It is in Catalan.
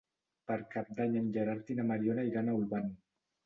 Per Cap d'Any en Gerard i na Mariona iran a Olvan.